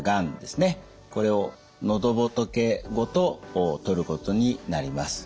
これを喉仏ごと取ることになります。